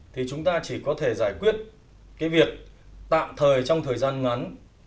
thì chúng ta chỉ có thể giải quyết cái việc tạm thời trong thời gian ngắn